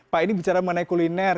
pak ini bicara mengenai kuliner